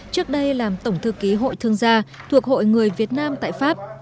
trước đây làm tổng thư ký hội thương gia thuộc hội người việt nam tại pháp